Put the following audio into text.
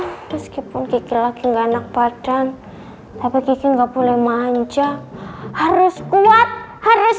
seluruh sama buka meskipun gigi lagi enggak enak badan tapi tidak boleh manja harus kuat harus